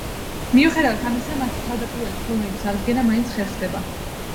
მიუხედავად ამისა, მათი თავდაპირველი ფორმების აღდგენა მაინც ხერხდება.